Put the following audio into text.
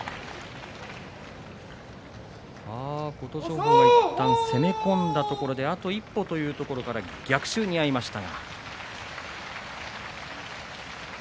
琴勝峰がいったん攻め込んだところであと一歩というところから逆襲に遭いました。